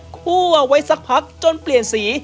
คั่วเอาไว้สักพักจนเปลี่ยนสี